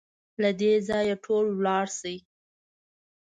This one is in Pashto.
له دې ځايه ټول ولاړ شئ!